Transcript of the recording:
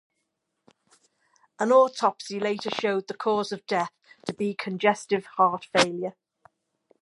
An autopsy later showed the cause of death to be congestive heart failure.